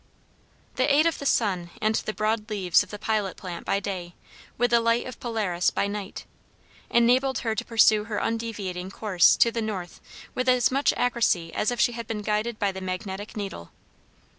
The aid of the sun and the broad leaves of the pilot plant by day, with the light of Polaris by night, enabled her to pursue her undeviating course to the north with as much accuracy as if she had been guided by the magnetic needle.